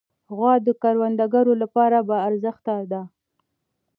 غوا د کروندګرو لپاره باارزښته ده.